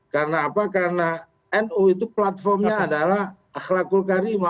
karena apa karena no itu platformnya adalah akhlakul karima